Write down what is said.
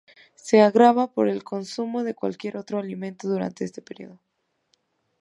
Se agrava por consumo de cualquier otro alimento durante este período.